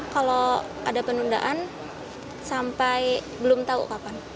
kalau ada penundaan sampai belum tahu kapan